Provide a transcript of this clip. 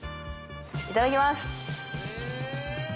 いただきます。